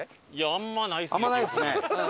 あんまないですね。